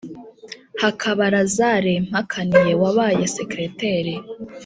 hakaba lazare mpakaniye wabaye secrétaire